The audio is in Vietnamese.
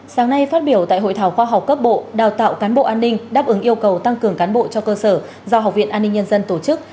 sáng nay phát biểu tại hội thảo khoa học cấp bộ đào tạo cán bộ an ninh đáp ứng yêu cầu tăng cường cán bộ cho cơ sở do học viện an ninh nhân dân tổ chức